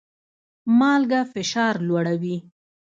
مالګه فشار لوړوي